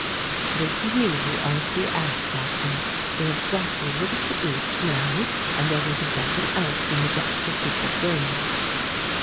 "It is you who are to be asked after; we have brought you a little to eat now and there will be something else when we get to the secret room."